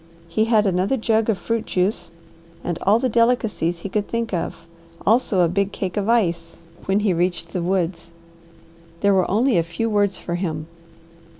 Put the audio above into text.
He had another jug of fruit juice and all the delicacies he could think of, also a big cake of ice, when he reached the woods. There were only a few words for him.